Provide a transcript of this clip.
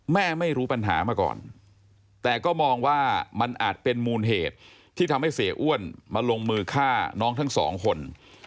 ไม่รู้ปัญหามาก่อนแต่ก็มองว่ามันอาจเป็นมูลเหตุที่ทำให้เสียอ้วนมาลงมือฆ่าน้องทั้งสองคน